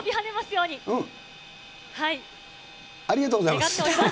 ありがとうございます。